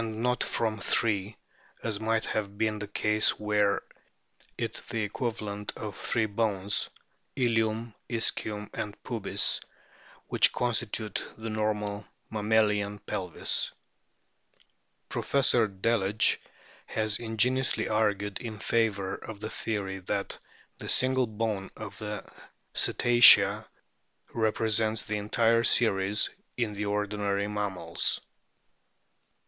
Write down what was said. ^ x i2 S 2 o o 3 cT 26 A BOOK OF 'WHALES not from three, as might have been the case were it the equivalent of the three bones ilium, ischium, and pubis, which constitute the normal mammalian pelvis. Professor Delage has ingeniously argued in favour of the theory that the single bone of the Cetacea represents the entire series in the ordinary mammals.